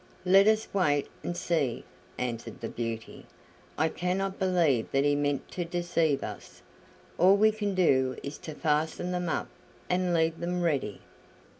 "Let us wait and see," answered Beauty. "I cannot believe that he meant to deceive us. All we can do is to fasten them up and leave them ready."